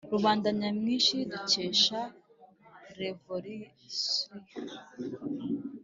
rubanda nyamwinshi dukesha revolisiyo